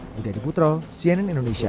budi adiputro cnn indonesia